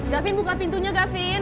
gavin buka pintunya gavin